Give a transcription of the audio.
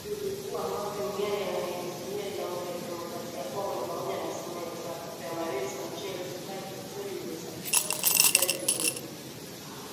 Vitu vikuu ambavyo Uganda inaiuzia Jamuhuri ya kidemokrasia ya kongo ni pamoja na Simenti, mafuta ya mawese, mchele, sukari, petroli iliyosafishwa, bidhaa zilizopikwa